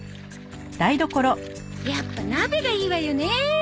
やっぱ鍋がいいわよね。